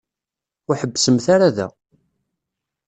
Ur ḥebbsemt ara da.